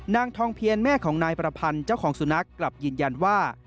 นางทองเพียรแม่ของนายประพันธ์เจ้าของสุนัขกลับยืนยันว่า